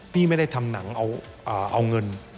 พี่ไม่ได้ทำหนังเอาเงิน